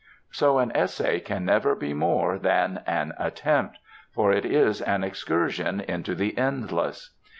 So an essay can never be more than an attempt, for it is an excursion into the endless.